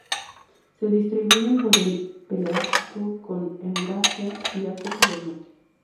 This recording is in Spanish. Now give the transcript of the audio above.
Se distribuyen por el Paleártico en Eurasia y África del Norte.